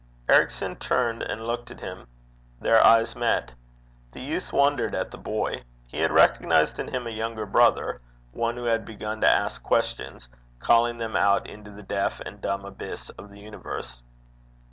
Ericson turned and looked at him. Their eyes met. The youth wondered at the boy. He had recognized in him a younger brother, one who had begun to ask questions, calling them out into the deaf and dumb abyss of the universe.